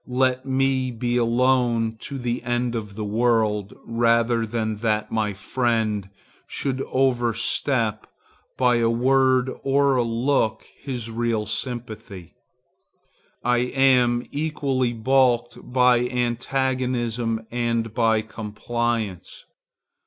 Let me be alone to the end of the world, rather than that my friend should overstep, by a word or a look, his real sympathy. I am equally balked by antagonism and by compliance.